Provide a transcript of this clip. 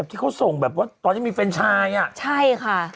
ที่เขาส่งตอนที่มีเฟ้นชายอะใช่ค่ะ